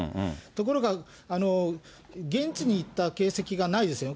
ところが、現地に行った形跡がないですよ。